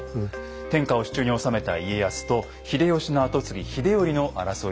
天下を手中に収めた家康と秀吉の跡継ぎ秀頼の争いでした。